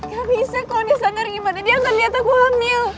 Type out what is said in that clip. gak bisa kok dia sanggar gimana dia gak liat aku hamil